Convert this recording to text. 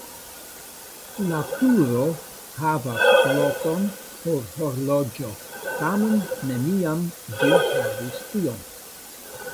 La turo havas lokon por horloĝo, tamen neniam ĝi havis tion.